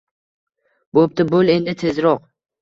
Boʻpti… Boʻl endi tezroq